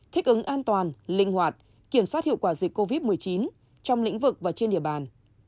thích ứng an toàn linh hoạt kiểm soát hiệu quả dịch covid một mươi chín trong lĩnh vực và trên địa bàn